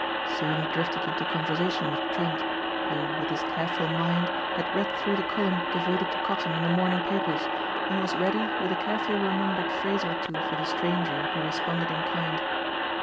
Soon he drifted into conversation with Trent, who with his careful mind had read through the column devoted to cotton in the morning papers and was ready with a carefully remembered phrase or two for the stranger who responded in kind.